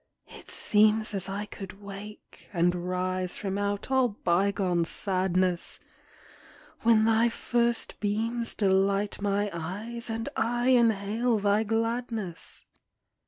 It seems as I could wake, and rise From out all bygone sadness. When thy first beams delight my eyes. And I inhale thy gladness!